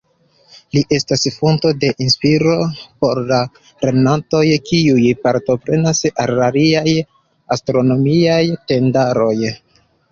Li estas fonto de inspiro por la lernantoj, kiuj partoprenas al liaj Astronomiaj Tendaroj.